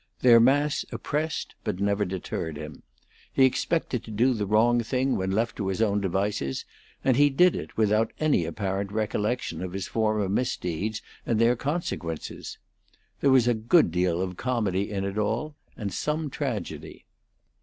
Their mass oppressed but never deterred him. He expected to do the wrong thing when left to his own devices, and he did it without any apparent recollection of his former misdeeds and their consequences. There was a good deal of comedy in it all, and some tragedy.